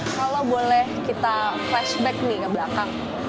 kalau boleh kita flashback nih ke belakang